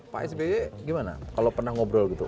pak sby gimana kalau pernah ngobrol gitu